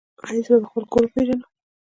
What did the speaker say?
ایا زه به خپل کور وپیژنم؟